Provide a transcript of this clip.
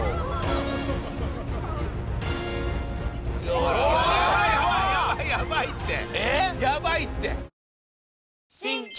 やばいやばいって。